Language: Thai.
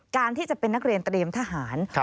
การที่จะเป็นนักเรียนเตรียมทหาร